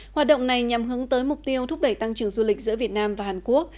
hoạt động này nhằm hướng tới mục tiêu thúc đẩy tăng trưởng du lịch giữa việt nam và hàn quốc